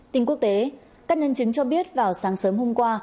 tin quốc tế các nhân chứng cho biết vào sáng sớm hôm qua